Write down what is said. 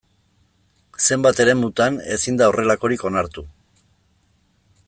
Zenbait eremutan ezin da horrelakorik onartu.